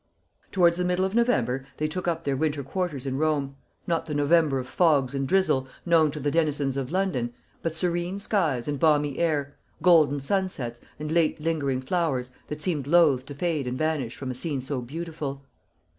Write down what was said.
Towards the middle of November they took up their winter quarters in Rome not the November of fogs and drizzle, known to the denizens of London, but serene skies and balmy air, golden sunsets, and late lingering flowers, that seemed loath to fade and vanish from a scene so beautiful.